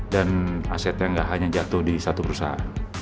dan asetnya nggak hanya jatuh di satu perusahaan